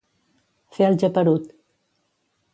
Fer el geperut.